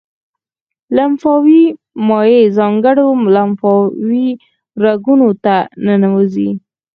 لمفاوي مایع ځانګړو لمفاوي رګونو ته ننوزي.